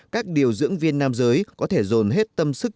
các điều dưỡng viên nam giới có thể dồn hết tâm sức